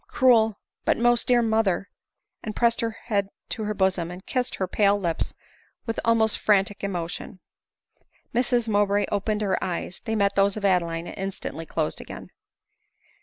Cruel, but. most dear mother ! ,v and pressed her head to her bosom, and kissed her pale lips with almost frantic emotion. Mrs Mowbray opened her eyes ; they met those of Adeline, and instantly closed again.